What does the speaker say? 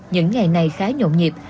những ngày này khá nhộn nhịp